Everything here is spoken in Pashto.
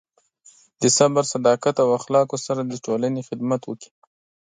د صبر، صداقت، او اخلاقو سره د ټولنې خدمت وکړئ.